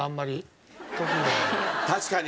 確かに。